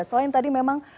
selain tadi memang